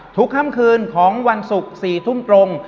ค่ำคืนของวันศุกร์๔ทุ่มตรง